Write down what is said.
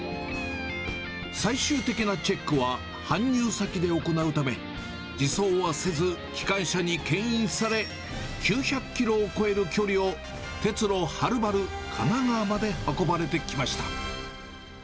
最終的なチェックは搬入先で行うため、自走はせず、機関車にけん引され、９００キロを超える距離を、鉄路はるばる、片側まで運ばれてきました。